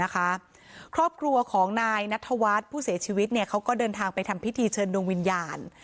ครอบครัวของนายนัทธวัฒน์ผู้เสียชีวิตเขาก็เดินทางไปทำพิธีเชิญดวงวิญญาณ